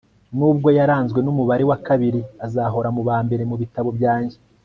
nubwo yaranzwe numubare wa kabiri, azahora mubambere mubitabo byanjye